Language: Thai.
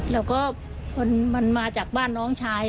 แล้วก็มันมาจากบ้านน้องชาย